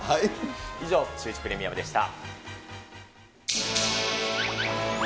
以上、シューイチプレミアムでした。